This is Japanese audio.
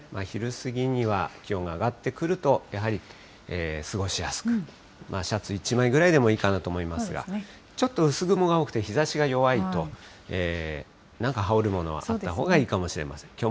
昼過ぎには気温が上がってくると、やはり過ごしやすく、シャツ１枚ぐらいでもいいかなと思いますが、ちょっと薄雲が多くて日ざしが弱いと、なんか羽織るものがあったほうがいいかもしれません。